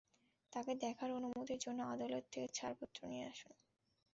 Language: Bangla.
তাকে দেখার অনুমতির জন্য আদালত থেকে ছাড়পত্র নিয়ে আসুন।